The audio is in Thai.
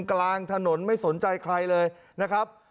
กลางถนนไม่สนใจใครเลยนะครับ